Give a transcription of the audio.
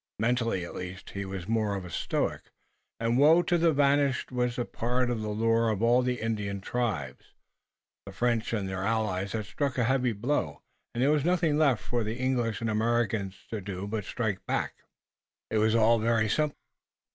Mentally at least, he was more of a stoic, and woe to the vanquished was a part of the lore of all the Indian tribes. The French and their allies had struck a heavy blow and there was nothing left for the English and Americans to do but to strike back. It was all very simple.